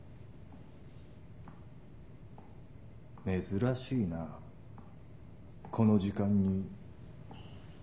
珍しいなこの時間に。